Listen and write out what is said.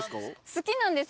好きなんです。